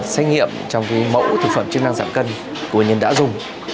xét nghiệm trong mẫu thực phẩm chứng năng giảm cân của nhân đã dùng